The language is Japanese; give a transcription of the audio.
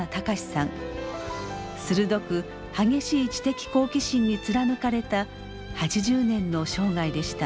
鋭く激しい知的好奇心に貫かれた８０年の生涯でした。